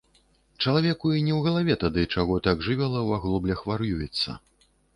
Чалавеку і не ў галаве тады, чаго так жывёла ў аглоблях вар'юецца.